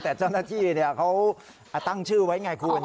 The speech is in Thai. แต่เจ้าหน้าที่เขาตั้งชื่อไว้ไงคุณ